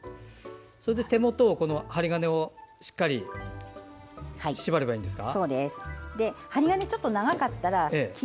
手元で、針金をしっかり縛ればいいんですか？